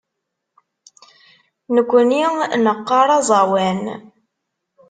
Nekkni neqqar aẓawan.